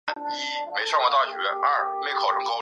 出生于广岛县尾丸町的岛岛町的岩崎岛。